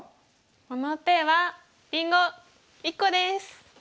この手はりんご１個です！